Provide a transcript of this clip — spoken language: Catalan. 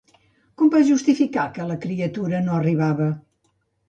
Com va justificar que la criatura no arribava?